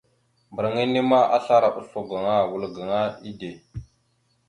Mbarŋa enne ma, aslara oslo gaŋa ma, wal gaŋa ide.